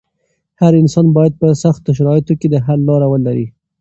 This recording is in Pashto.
هر انسان بايد په سختو شرايطو کې د حل لاره ولري.